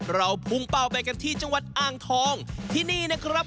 เราพุ่งเป้าไปกันที่จังหวัดอ่างทองที่นี่นะครับ